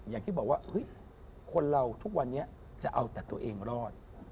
อย่างที่บอกว่าคนเราทุกวันนี้จะเอาแต่ตัวเองรอด